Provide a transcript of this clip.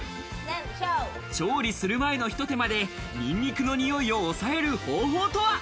調理する前のひと手間でニンニクのにおいを抑える方法とは？